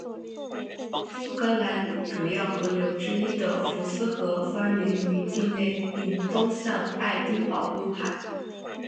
苏格兰主要河流之一的福斯河发源于境内并东向爱丁堡入海。